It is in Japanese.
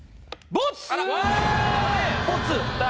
ボツ？